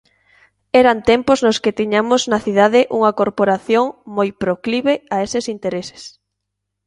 Eran tempos nos que tiñamos na cidade unha Corporación moi proclive a eses intereses.